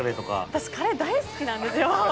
私カレー大好きなんですよ。